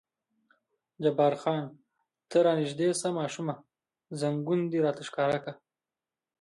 جبار خان: ته را نږدې شه ماشومه، زنګون دې راته ښکاره کړه.